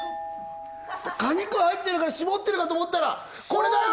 果肉入ってるからしぼってるかと思ったらこれだよ！